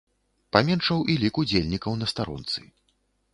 Паменшаў і лік удзельнікаў на старонцы.